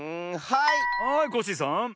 はいコッシーさん。